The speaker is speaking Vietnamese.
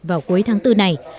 vào cuối tháng bốn này